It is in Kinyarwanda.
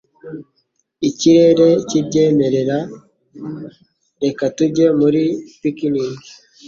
Ikirere kibyemerera, reka tujye muri picnic.